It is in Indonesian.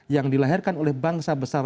yang dilahirkan oleh bangsa besar